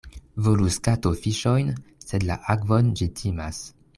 Volus kato fiŝojn, sed la akvon ĝi timas.